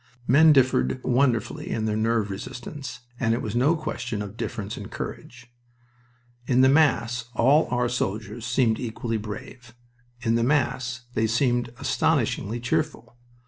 Men differed wonderfully in their nerve resistance, and it was no question of difference in courage. In the mass all our soldiers seemed equally brave. In the mass they seemed astoundingly cheerful.